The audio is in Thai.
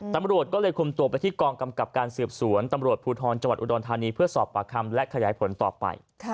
ตำรวจก็เลยคุมตัวไปที่กองกำกับการสืบสวนตำรวจภูทรจังหวัดอุดรธานีเพื่อสอบปากคำและขยายผลต่อไป